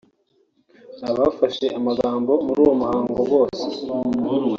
Abafashe amagambo muri uwo muhango bose